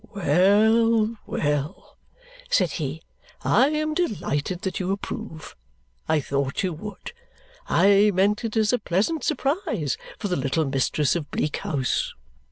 "Well, well," said he. "I am delighted that you approve. I thought you would. I meant it as a pleasant surprise for the little mistress of Bleak House."